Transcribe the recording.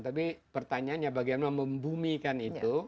tapi pertanyaannya bagaimana membumikan itu